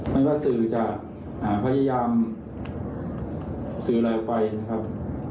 ไม่ว่าสื่อจะพยายามสื่ออะไรออกไปนะครับ